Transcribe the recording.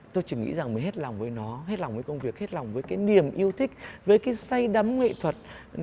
tôi chỉ nghĩ rằng mình hết lòng với nó hết lòng với công việc hết lòng với cái niềm yêu thích với cái say đắm nghệ thuật